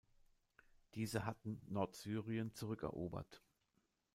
Diese hatten Nordsyrien zurückerobert.